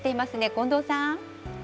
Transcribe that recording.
近藤さん。